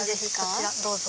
こちらどうぞ。